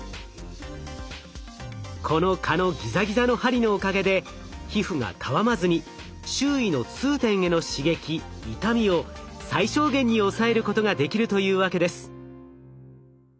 この蚊のギザギザの針のおかげで皮膚がたわまずに周囲の痛点への刺激痛みを最小限に抑えることができるというわけです。